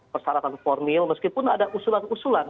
persyaratan formil meskipun ada usulan usulan